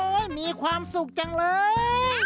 เว้ยมีความสุขจังเลย